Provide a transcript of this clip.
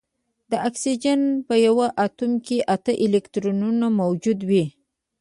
د اکسیجن په یوه اتوم کې اته الکترونونه موجود وي